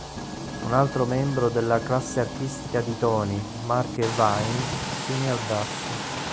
Un altro membro della classe artistica di Tony, Mark Irvine, si unì al basso.